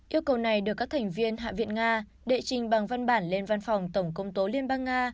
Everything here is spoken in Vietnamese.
yêu cầu này được các thành viên hạ viện nga đệ trình bằng văn bản lên văn phòng tổng công tố liên bang nga